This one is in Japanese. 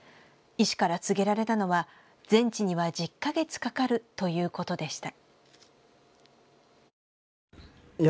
医師から告げられたのは全治には１０か月かかるということでした。